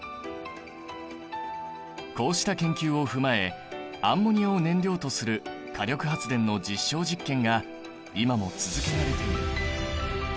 こうした研究を踏まえアンモニアを燃料とする火力発電の実証実験が今も続けられている。